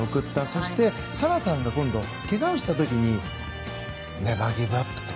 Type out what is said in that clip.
そしてサラさんが今度は、けがをした時にネバーギブアップと。